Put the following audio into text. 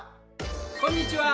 こんにちは。